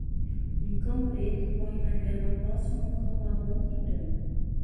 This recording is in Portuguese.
Um cão preto corre na grama próximo a um cão marrom e branco.